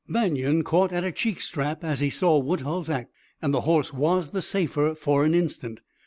Banion caught at a cheek strap as he saw Woodhull's act, and the horse was the safer for an instant.